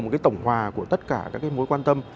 một cái tổng hòa của tất cả các cái mối quan tâm